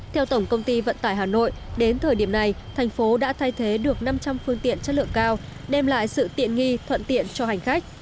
theo tổng công ty vận tải hà nội đến thời điểm này thành phố đã thay thế được năm trăm linh phương tiện chất lượng cao đem lại sự tiện nghi thuận tiện cho hành khách